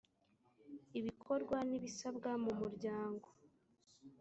ibikorwa n ibisabwa mu muryango